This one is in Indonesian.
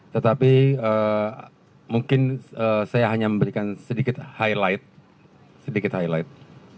tetapi mungkin saya hanya memberikan sedikit highlight